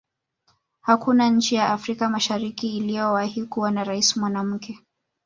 hakuna nchi ya afrika mashariki iliyowahi kuwa na raisi mwanamke